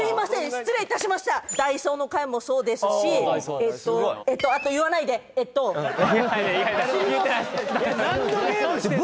失礼致しましたダイソーの回もそうでしたしえっといやいや言ってないです・何のゲームしてんの？で